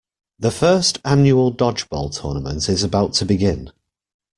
The First Annual Dodgeball Tournament is about to begin.